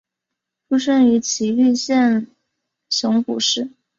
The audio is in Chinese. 出生于崎玉县熊谷市。